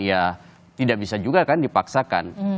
ya tidak bisa juga kan dipaksakan